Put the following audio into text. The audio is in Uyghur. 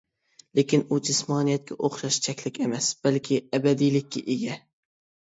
لېكىن ئۇ جىسمانىيەتكە ئوخشاش چەكلىك ئەمەس، بەلكى ئەبەدىيلىككە ئىگە.